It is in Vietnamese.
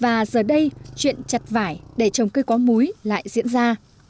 và giờ đây chuyện chặt vải để trồng cây có múi lại diễn ra